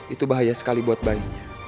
itu bahaya sekali buat bayinya